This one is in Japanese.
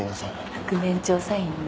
覆面調査員ね。